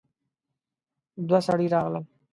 دوه سړي راغلل.